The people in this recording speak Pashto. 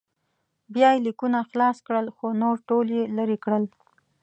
بیا یې لیکونه خلاص کړل خو نور ټول یې لرې کړل.